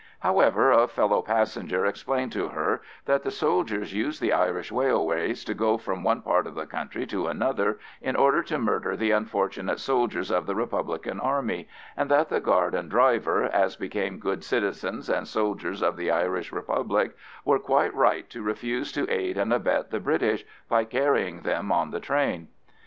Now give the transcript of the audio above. However, a fellow passenger explained to her that the soldiers used the Irish railways to go from one part of the country to another in order to murder the unfortunate soldiers of the Republican Army, and that the guard and driver, as became good citizens and soldiers of the Irish Republic, were quite right to refuse to aid and abet the British by carrying them on the train.